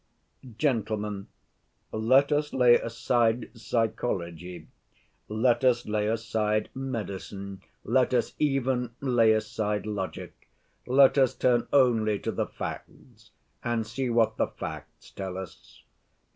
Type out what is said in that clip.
"Gentlemen, let us lay aside psychology, let us lay aside medicine, let us even lay aside logic, let us turn only to the facts and see what the facts tell us.